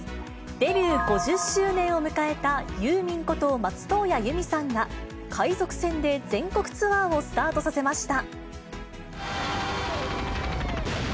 デビュー５０周年を迎えたユーミンこと松任谷由実さんが、海賊船で全国ツアーをスタートさせました。